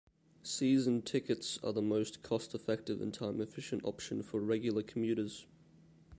Season Tickets are the most cost effective and time efficient option for regular commuters.